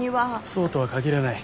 そうとは限らない。